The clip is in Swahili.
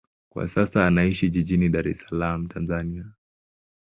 Kwa sasa anaishi jijini Dar es Salaam, Tanzania.